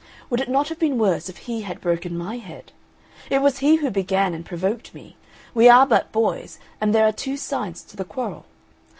Would it not have been worse if he had broken my head? It was he who began and provoked me. We are but boys, and there are two sides to the quarrel.